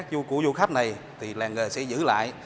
các sản phẩm các dụ cụ du khách này thì làng nghề sẽ giữ lại